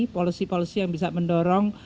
polisi polisi yang bisa mendorong